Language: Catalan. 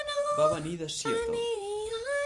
Va venir de Seattle.